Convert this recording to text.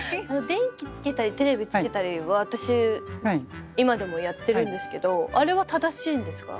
電気つけたりテレビつけたりは私今でもやってるんですけどあれは正しいんですか？